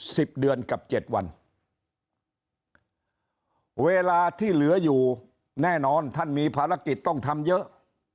สิบเดือนกับเจ็ดวันเวลาที่เหลืออยู่แน่นอนท่านมีภารกิจต้องทำเยอะ